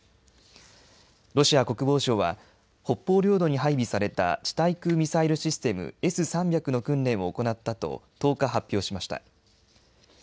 ロシア国防省は北方領土に配備された地対空ミサイルシステムＳ３００の訓練を行ったと１０日、発表しました。